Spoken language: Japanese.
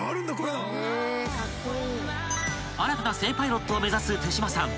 ［新たな正パイロットを目指す手島さん］